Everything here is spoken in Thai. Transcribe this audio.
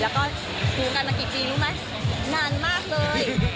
แล้วก็อยู่กันมากี่ปีรู้ไหมนานมากเลย